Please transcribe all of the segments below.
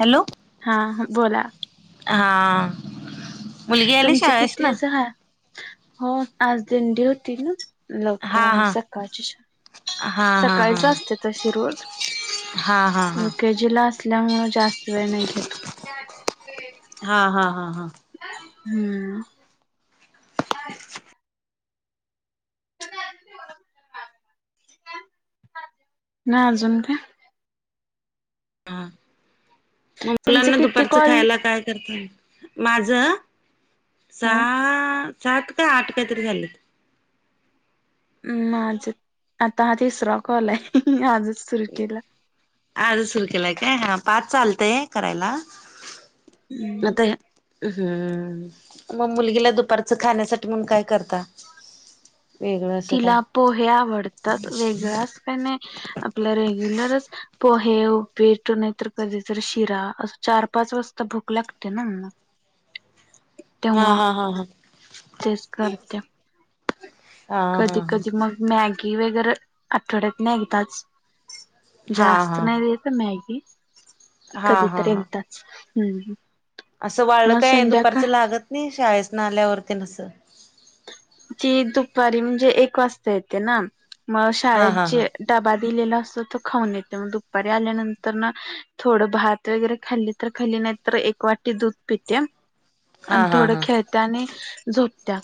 Hello. हा, बोला. हा, मुलगी आली तुमचे शाळेसन? किती झा हो, आज दिंडी होती ना. हा लवकर आली, हा सकाळची श हा हा सकाळीच हा असते तशी रोज. हा, हा, हा. के जी ला असल्यामुळे जास्त वेळ नाही घेत. हा, हा, हा, हा. हम्म. [unintelligible] मग अजून काय? हा, मग तुमचे मुलांना किती दुपारचं कॉल खायला काय करती? माझ? ह सहा, सात, का आठ काहीतरी झालेत. हम्म, माज आता हा तिसरा कॉल आहे, आजच सुरू केला. आजच सुरू केलाय काय? हं पाच चालतंय करायला. आता हम्म, मग मुलगीला दुपारचं खाण्यासाठी म्हणून काय करता? वेगळं असं काय तिला पोहे आवडतात. वेगळ असं काही नाही आपलं रेग्युलरच. पोहे, उपीट नाही तर कधीतरी शिरा अस. चार, पाच वाजता भूक लागते ना. हा, हा तेव्हा हा हा हा तेच करते. हा कधी हा कधी मग मॅगी वगैरे आठवड्यातन एकदाच. हा जास्त हा नाही देेत मॅगी, हा हा हा कधीतरी हा एकदाच. हम्म. असं, वाळ मग काय दुपारचं संध्याकाळची लागत नाही? शाळेेसन आल्यावर तेन असं. ती दुपारी म्हणजे एक वाजता येते ना, मग हा शाळेत हा जे डबा दिलेला असतो तो खाऊन येते, मग दुपारी आल्यानंतरन थोडं भात वगैरे खाल्ली तर खाल्ली नाही तर, एक वाटी दूध पिते. आणि हा हा हा थोड हा खेळत्या आणि झोपत्या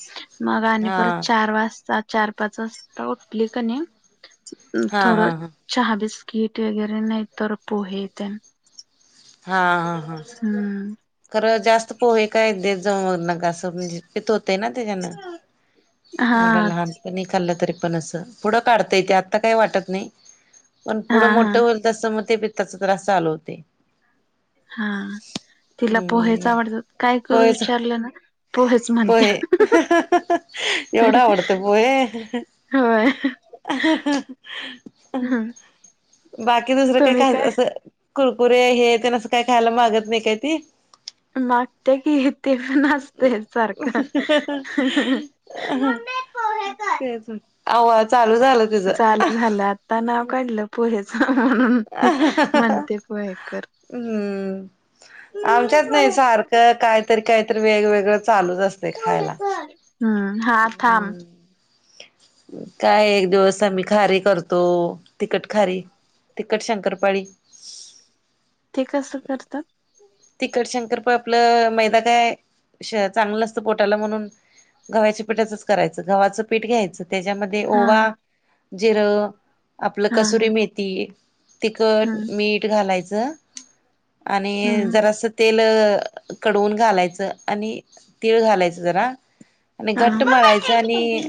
मग आणि परत हा चार वाजता, चार पाच वाजता उठली कनी, हा हा थोडं हा चहा बिस्किट वगैरे, नाही तर पोहेेतेन हा, हा. हम्म. खरं जास्त पोहे काय देत जाऊ नकास म्हणजे पित्त होते न तेच्यान हा एवढ्या लहानपणी खाल्लं तरी पण असं पुढं काढताय ते आत्ता काय वाटत नाही, पण हा पुढं हा मोठं होईल तस म ते पित्ताचा त्रास चालू होते. हा तिला पोहेच हम्म आवडतात काय करू पोहेच विचारलं न पोहेच म्हणत्या. एवढ आवडते पोहे. होय [inaudible] बाकी दुसरं काही तुम्ही खास काय असं कुरकुरे हे तेन अस काय खायला मागत नाही काय ती? मागते की ते पण असतय सारखं. [inaudible] ते आवा चालू झालं. चालू झालं आता नाव काढलं पोहेच म्हणून म्हणते पोहे कर. हम्म आमच्यात नाही सारखं काय काय तर काय तर वेगवेगळं चालूच असतय खायला. हम्म हा थांम. हम्म [inaudible] काय एक दिवस आम्ही खारी करतो तिकट खारी तिकट शंकरपाळी. ते कसं करतात? तिकट शंकरपाळी आपलं मैदा काय श चांगलं नसतं पोटाला म्हणून गव्याच्या पीठाचच करायचं गव्हाचं पीठ घ्यायचं त्याच्यामध्ये हा ओवा, जिर आपलं हा हा कसुरी मेथी तिखट, हम्म मीठ घालायचं आणि हम्म अस तेल कडवून घालायचं आणि तिळ घालायचं जरा आणि हा घट्ट मळायचं आणि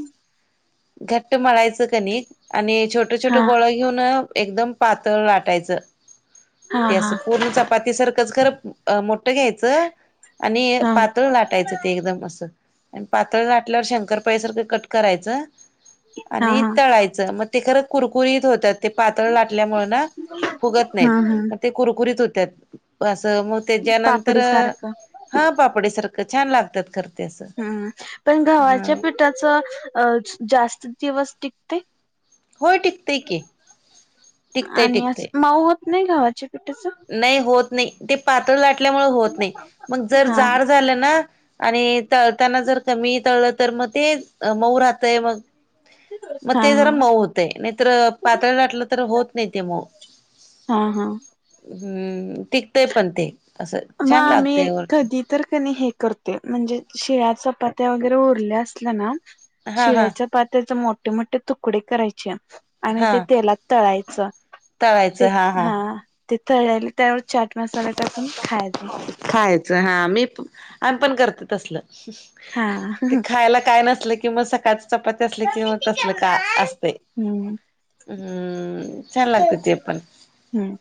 घट्ट मळायचं कणिक आणि छोट छोट हा छोटं गोळ घेऊन एकदम पातळ लाटायचं. हा ते हा असं पूर्ण चपाती सारखंच खर अ मोठं घ्यायचं आणि हा पातळ लाटायचं ते एकदम असं आणि पातळ लाटल्यावर शंकरपाळ्यासारखं कट करायचं. हा आणि हा तळायचं मग ते खरं कुरकुरीत होत्यात. ते पातळ लाटल्यामुळे न फुगत हा नाहीत हा मग ते कुरकुरीत होत्यात. मग त्याच्यानंतर पापडी सारखं हा पापडी सारख छान लागतात, खर ते असं हम्म पण ह गव्हाच्या पिठाच जास्त दिवस टिकते. होय टिकतय की टिकतय आणि अस टिकतय माऊ होत नाही गावाच्या पिठाच. नाही होत नाही ते पातळ लाटल्यामुळे होत नाही मग जर हा जाड झालं न आणि तळताना जर कमी तळलं तर मग ते मऊ राहतंय मग मग हा ते हा जरा मऊ होते नाहीतर पातळ लााटलं तर होत नाही ते मऊ. हा हा हम्म टिकतय पण ते असं मग छान आम्ही लागतय वरतून. कधी तर का नाही हे करते म्हणजे शिळ्या चपात्या वगैरे उरल्या असल्या ना हा शिळ्या हा चपात्याच मोठे मोठे तुकडे करायचे. आणि हा ते तेलात तळायचं ते हा ते तळाले त्यावर चाट मसाला टाकून खायच. खायचं हा मी पण आम्ही पण करतो तसल. हा ते खायला काय नसल किं म सकाळची चपाती असली किं तसल काय असतय. हम्म हम्म छान लागतं ते पण. हम्म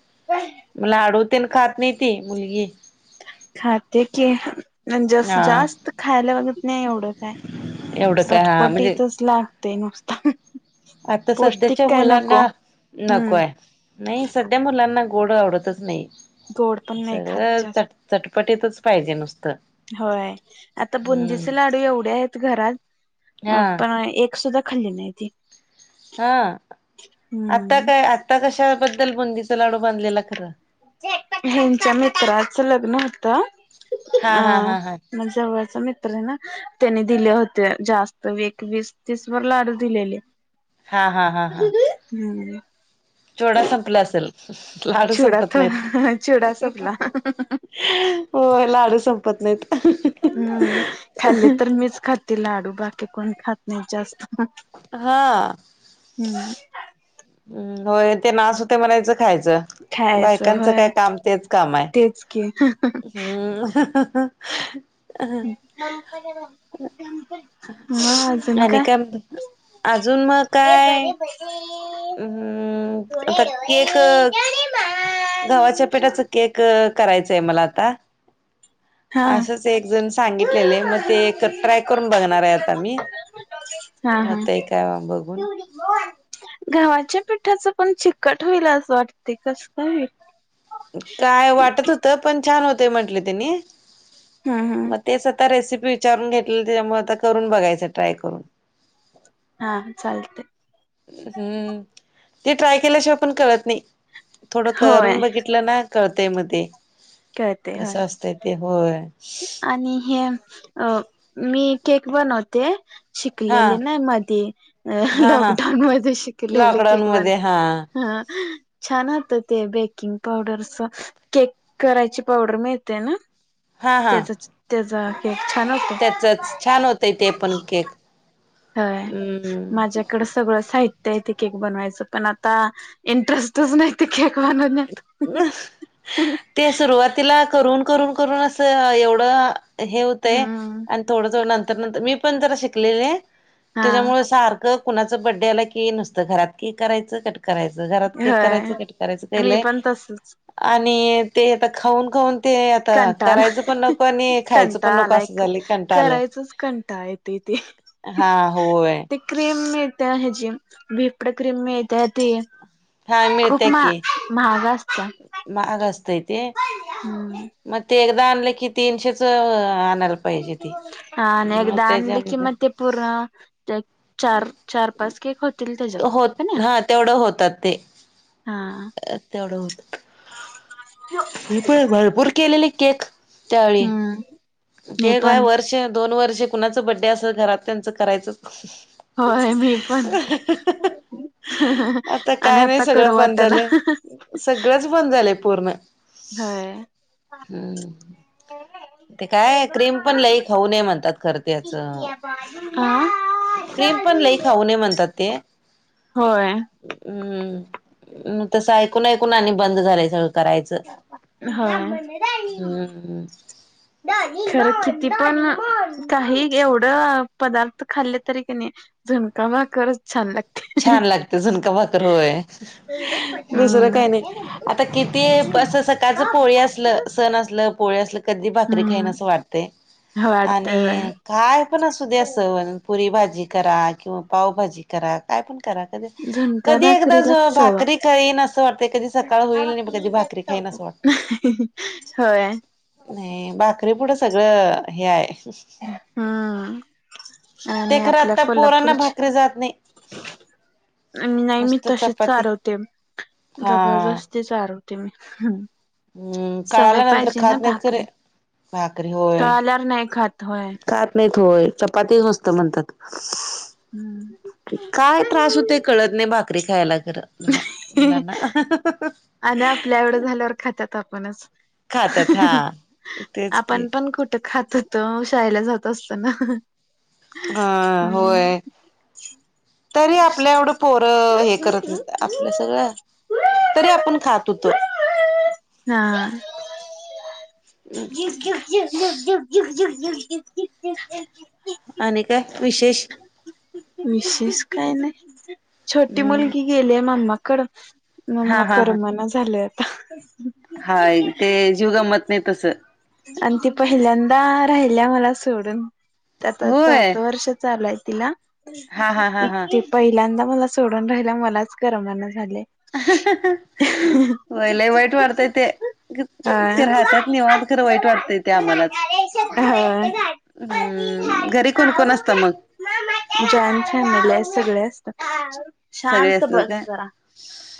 म लाडू तेन खात नाही ती मुलगी. खाते की. म्हणजे अस हा जास्त खायला बघत नाही एवढं काय एवढं काय हा म्हणजे चटपटीतच लाग ते नुसत. आता सध्याच्या मुलांना हम्म नकोय. नाही सध्या मुलांना गोड आवडतच नाही गोड पण नाही खात सगळं जास्त चट चटपटीतच पाहिजे नुसतं. होय आता हम्म बुंदीचे लाडू एवढे आहेत घरात हा अ पण एक सुद्धा खाल्ले नाही ती. हा आता हम्म काय आता कशाबद्दल बुंदीचा लाडू बांधलेला खरं. हेंच्या मित्राच लग्न होत. हा अ हा हा हा म जवळचा मित त्र ना त्यांनी दिले होते जास्त एक वीस तीस वर लाडू दिलेले. हा हा हा हा. हम्म. चिवडा संपला असेल लाडू चिवडा संपत नाहीत. तर चिवडा संपला हो लाडू संपत नाहीत. हम्म खाल्ले तर मीच खाती लाडू बाकी कोण खात नाहीत जास्त. हा. हम्म. हम्म होय ते नास होतेय म्हणायचं खायचं खायचं बायकांचं काय काम तेच काम आहे. ओके. हम्म. ह अजून काय? अजून मग काय हम्म [inaudible] गवाच्या पिठाचा केक करायचंय मला आता. हा असंच एक जण सांगितलेले मग ते ट्राय करून बघणार आहे आता मी. हा हा होतय का बघून. गव्हाच्या पिठाच पण चिकट होईल असं वाटते कस काय होईल. काय वाटत होत पण छान होत म्हंटले त्यांनी. हा हा. मग तेच आता रेसिपी विचारून घेतलं त्याच्यामुळे आता करून बघायच ट्राय करून. हा हा चालतेय. हम्म ते ट्राय केल्याशिवाय पण कळत नाही थोडं करून होय बघितलं ना कळतंय मग ते कळते कस होय असतंय ते होय. आणि हे अ मी केक बनवते. हा शिकलेले नाही मधी अ हा हा लॉकडाऊन मध्ये शिकलेले लॉकडाऊन केक बन मध्ये हा हा. छान होते ते बेकिंग पावडरच केक करायची पावडर माहितेय ना. हा हा तेजाचा तेजा केक छान होतो. च छान होतय ते पण केक. हय हम्म माझ्याकडे सगळं साहित्य आहे ते केक बनवायचं पण आता इंटरेस्ट च नाही ते केक बनवण्यात. तिला करून करून करून अस एवढं हे होतंय हम्म अन् थोड थोड नंतर नंतर मी पण जरां शिकलेले हा त्याच्यामुळ सार क कुणाचं बर्थडे आला की नुसतं घरात केक करायचं, कट करायचं, घरात केक होय करायचं कट करायचं. मी केलंय पण तसचं. आणि ते आता खाऊन खाऊन ते आता करायचं पण कंटाळा नको आणि खायचं पण कंटाळा नको आलाय असं झालंय कंटाळलंय करायचच कंटाळा येते ते. हा होय ती क्रीम मिळते हेजी व्हिपडं क्रीम मिळत्या ती हा खूप मिळत्या मा की महाग अस महाग असतय ते. हम्म मग ते एकदा आणलं की तीनशेचं अह आणाल. हा आन एकदा आणली की मग ते पूर्ण च चार चार पाच केक होतील त्याच्यात का नाही होतं हा तेवढं होतात ते. हा अह तेवढ होत. मीपण भरपूर केलेली केक त्यावेळी हम्म मी ते काय पण वर्ष दोन वर्षे कुणाच बर्थडे असलं घरात त्यांचं करायचंच होय मी पण आणि काय नाही आता करू सगळं बंद वाटंना. झालंय सगळंच बंद झालंय पूर्ण. होय. हम्म ते काय क्रीम पण लई खाऊ नये म्हणतात खरं त्याच क्रीम पण लई खाऊ नये म्हणतात ते. होय हम्म हम्म तसं ऐकून ऐकून आणि बंद झालय सगळं. करायचं होय हम्म. खरं किती पण काही एवढ पदार्थ खाल्ले तरी की नाय झुणका भाकरचं छान लाग छान लागते झुणका भाकर होय, दुसरं हम्म काय नाय आता किती असं सकाळचं पोळी असलं, सण असलं पोळी असलं कधी भाकरी खाईन असं वाटते. हो वाटते होय. काय पण असू द्या असं पण पुरी भाजी करा किंवा पावभाजी करा काय पण करा. [unintelligible] झुणका कधी एकदाच भाकरीलाच चव आहे. भाकरी खाईन असं वाटतं, कधी सकाळ होईल आणि मी कधी भाकरी खाईन असं वाटतं. होय. नाय भाकरी पुढं सगळं अह हे हाय. हां ते आणि खरं आपल्या आता पोरांना भाकरी जात नाही कोल्हापूरच्या नाय मी नुसतं तशीच चपाती चारवते हा जबरदस्त तेच चारवते मी हम्म हम्म सवय कळाल्या नंतर पाहिजे ना खात नाहीत खरे भाकरी भाकरी हो. कळाल्यावर नाय खात होय. खात नाहीत होय चपाती नुसत म्हणतात. हम्म. काय त्रास होतोय कळत नाय भाकरी खायला खरं मला मुलांना. आणि आपल्या एवढं झाल्यावर खातात आपणच खातात हा तेच की आपण पण कुठं खातं होतो शाळेला जात असताना हां हम्म होय. तरी आपल्या एवढं पोरं हे करत नायत आपल्या सगळ्या तरी आपण खात हुतो. हां. [inaudible] झुगझुग झुगझुग [unintelligible] आणि काय विशेष? विशेष काय नाही, छोटी हम्म मुलगी गेली मामाकड. म मला हा हा करर्मना झालं आता. हा एक ते जीवगमत नाही तसं. आणि ती पहिल्यांदा राहिल्या मला सोडून. ते आता होय चौथं वर्ष चालाय तिला, हा हा हा हा ते पहिल्यांदा मला सोडून राहिल्या, मलाच करमना झाले. हं, हं, हं, व्हय लय वाईट वाटतय ते, अ ते होय राहतात निवां खर वाईट वाटतय ते आम्हालाच, हम् घरी कोण-कोण असत मग? जॉईन फॅमिली आहे सगळे असतात. सगळे शांत असतात बस काय जरा,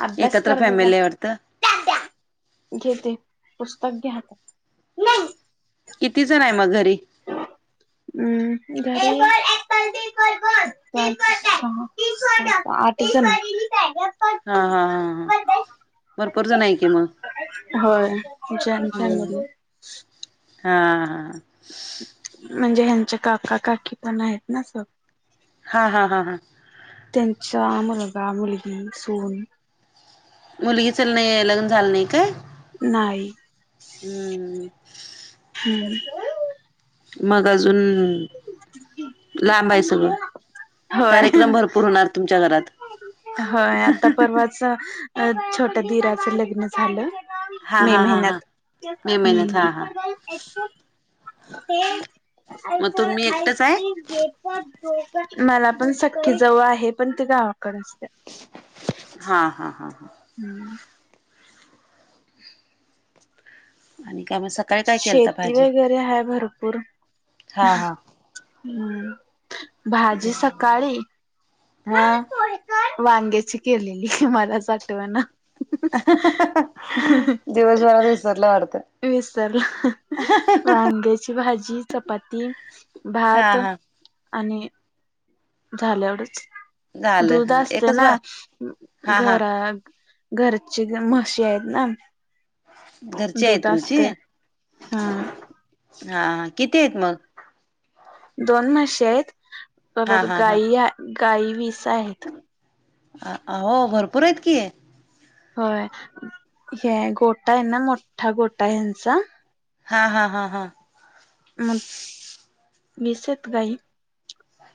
अभ्यास एकत्र करजा, फॅमिली आहे वाटतं जा. घे ते पुस्तक, घे हाता नाही किती जण आहे मग घरी? हम् घरी पाच -सहा सात, आठ जण. हा, हा, हा, हा भरपूर जण आहे की मग. हो जॉइन्ट हम्म फॅमिली आहे. हा, हा हं म्हणजे ह्यांच्या काका- काकी पण आहेत ना असं. हा, हा, हा, हां त्यांच्या मुलगा- मुलगी, सून. मुलगी च नाही लग्न झालं नाही काय? नाही. हं हं हम्म मग अजून लांब आहे सगळं कार्यक्रम भरपूर होणार तुमच्या घरात. हा आत्ता परवाच अं छोट्या दिराचं लग्न झालं. हा मे हा हा हा महिन्यात, मे महिन्यात हम्म हा हा ते आय मग फॉर तुम्ही एकटच आहे आईस्क्रीम, जे मला पण सख्खी जाऊ आहे, पण ते गावाकडे असत्या. हा हा, हा, हा हम्म आणि काम सं शेती वगैरे आहे भरपूर. हा हा हम्म, भाजी सकाळी हां वांग्याची केलेली, मलाच आठवणा. अं, हं, हा विसरलं, वांग्याची. भाजी, चपाती, हा भात हा आणि झाल् एवढच, झालं दूध हा असते एकच ना बा अं हा हा घराक घरजची गं म्हशी हायत ना. घरची आहेत दूध तुमची असते हा. हा किती आहेत मग? दोन म्हशी हायत हा परत हा हा गायी गाई वीस आहेत. अह अह हो भरपूर आहेत की. होय हे गोठा ये ना मोठा गोठा ह्यांचा हा हा हा हा. मग वीस येत गाई.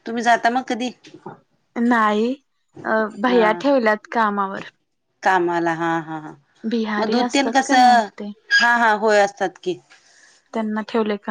तुम्ही जाता मग कधी? नाही अ भैया ठेवल्यात कामावर कामाला हा हा मग बिहारी दुध तेन असतात का नाही कसं ते हा हा होय असतात की. त्यांना ठेवले का